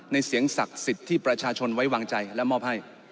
เสียงศักดิ์สิทธิ์ที่ประชาชนไว้วางใจและมอบให้